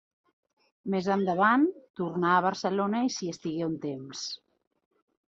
Més endavant tornà a Barcelona i s'hi estigué un temps.